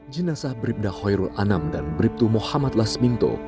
jenasa bribda hoyrul anam dan bribtu mohamad lasminto